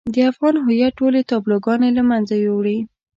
د افغان هويت ټولې تابلوګانې له منځه يوړې.